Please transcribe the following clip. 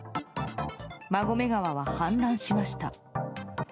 馬込川は氾濫しました。